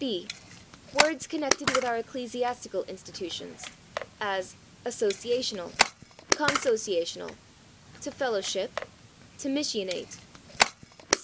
b. Words "connected with our ecclesiastical institutions," as /associational/, /consociational/, /to fellowship/, /to missionate